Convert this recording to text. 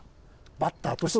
バッターとして？